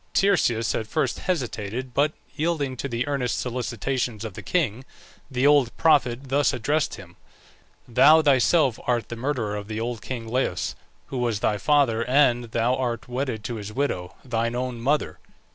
Tiresias at first hesitated, but yielding to the earnest solicitations of the king, the old prophet thus addressed him: "Thou thyself art the murderer of the old king Laius, who was thy father; and thou art wedded to his widow, thine own mother."